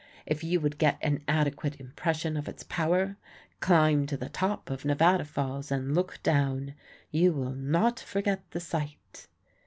If you would get an adequate impression of its power, climb to the top of Nevada Falls and look down. You will not forget the sight.